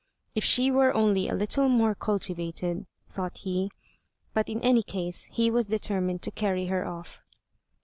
"If she were only a little more cultivated," thought he, but, in any case, he was determined to carry her off.